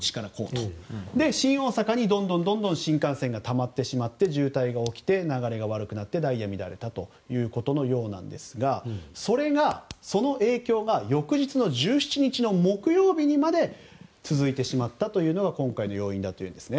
新大阪にどんどん新幹線がたまってしまって渋滞が起きて流れが悪くなってダイヤが乱れたということですがそれが、その影響が翌日の１７日の木曜日にまで続いてしまったというのが今回の要因になっています。